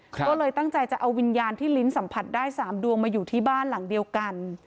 ก็เลยตั้งใจจะเอาวิญญาณที่ลิ้นสัมผัสได้๓ดวงมาอยู่ที่บ้านหลังเดียวกัน